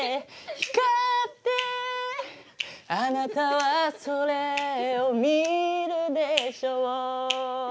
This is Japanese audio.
「あなたはそれを見るでしょう」